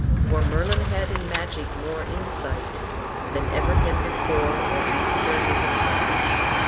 For Merlin had in magic more insight Than ever him before or after living wight."